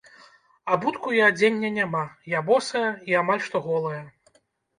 Абутку і адзення няма, я босая і амаль што голая.